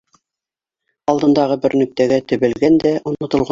Алдындағы бер нөктәгә тө бәлгән дә онотолған